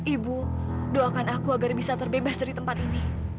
ibu doakan aku agar bisa terbebas dari tempat ini